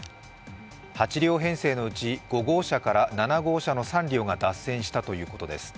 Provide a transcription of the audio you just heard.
８両編成のうち５号車から７号車の３両が脱線したということです。